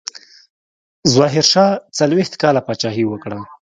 ظاهرشاه څلوېښت کاله پاچاهي وکړه.